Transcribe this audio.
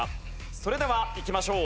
それではいきましょう。